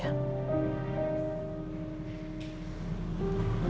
ya mau ngerti sih